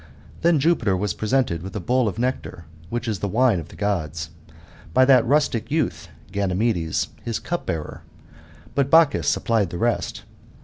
Then Jupiter was presented with a bowl of nectar, which is the wine of the Gods, by that rustic youth [Ganymedes], his cup bearer ; but Bacchus sup plied the rest.